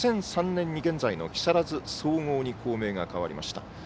２００３年に現在の木更津総合に校名が変わりました。